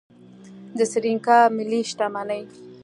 د سریلانکا ملي شتمني